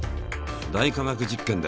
「大科学実験」で。